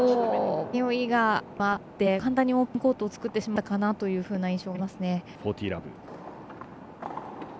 少し迷いがあって簡単にオープンコートを作ってしまった印象がありましたね。